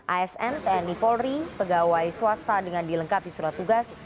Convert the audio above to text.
asn tni polri pegawai swasta dengan dilengkapi surat tugas